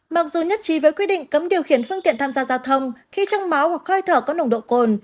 mặc dù nhất trí với quy định cấm điều khiển phương tiện tham gia giao thông khi trong máu hoặc hơi thở có nồng độ cồn